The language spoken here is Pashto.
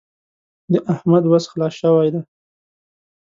د احمد وس خلاص شوی دی.